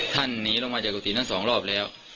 ท่านหนีลงมาจากกรุธินั้น๒รอบแล้ว